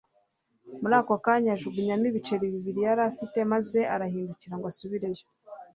Muri ako kanya ajugunyamo ibiceri bibiri yari afite maze arahindukira ngo asubireyo;